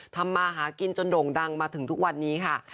ทำมาหากินจนโด่งดังมาถึงทุกวันนี้ค่ะ